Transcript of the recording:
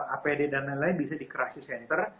apd dan lain lain bisa di crisis center